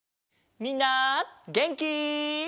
みんなげんき？